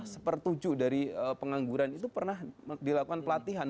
sepertujuh dari pengangguran itu pernah dilakukan pelatihan